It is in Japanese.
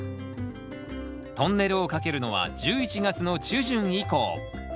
トンネルをかけるのは１１月の中旬以降。